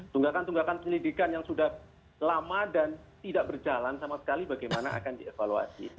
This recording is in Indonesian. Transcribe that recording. tunggakan tunggakan penyelidikan yang sudah lama dan tidak berjalan sama sekali bagaimana akan dievaluasi